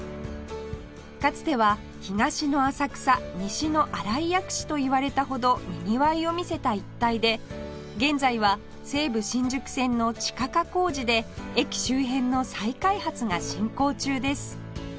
かつては東の浅草西の新井薬師といわれたほどにぎわいを見せた一帯で現在は西武新宿線の地下化工事で駅周辺の再開発が進行中です